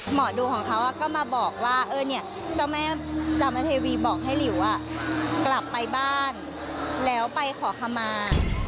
หมอดูของเขาก็มาบอกว่าเออเนี่ยเจ้าแม่จามเทวีบอกให้หลิวกลับไปบ้านแล้วไปขอคำมา